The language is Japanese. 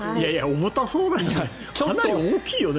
重たそうだよね。